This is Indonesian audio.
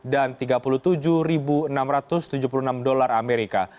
dan tiga puluh tujuh enam ratus tujuh puluh enam dolar amerika